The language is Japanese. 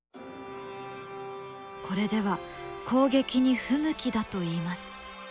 これでは攻撃に不向きだといいます。